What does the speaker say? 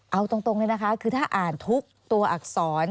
เอาตรงเลยนะคะคือถ้าอ่านทุกตัวอักษร